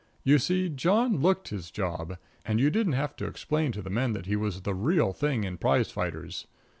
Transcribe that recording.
You see, John looked his job, and you didn't have to explain to the men that he was the real thing in prize fighters.